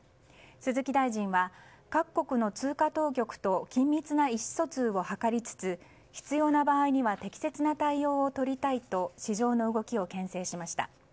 鈴木大臣は、各国の通貨当局と緊密な意思疎通を図りつつ必要な場合には適切な対応を取りたいと市場の動きを牽制しました。